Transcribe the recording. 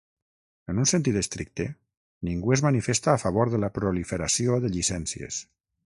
En un sentit estricte ningú es manifesta a favor de la proliferació de llicències.